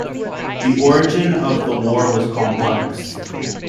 The origin of the war was complex.